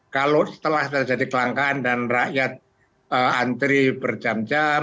kalau setelah terjadi kelangkaan dan rakyat antri berjam jam